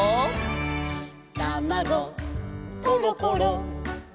「たまごころころ」